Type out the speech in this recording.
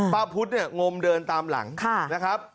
พระพุทธเนี่ยงมเดินตามหลังนะครับ